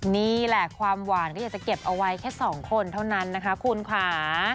นี่แหละความหวานก็อยากจะเก็บเอาไว้แค่๒คนเท่านั้นนะคะคุณค่ะ